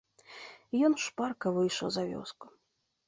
Ён шпарка выйшаў за вёску.